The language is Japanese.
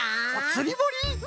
つりぼり？